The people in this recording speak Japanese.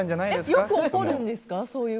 よくあるんですか？